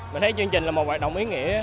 mình thấy chương trình là một hoạt động ý nghĩa